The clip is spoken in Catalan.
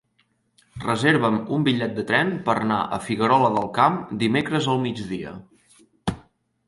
Reserva'm un bitllet de tren per anar a Figuerola del Camp dimecres al migdia.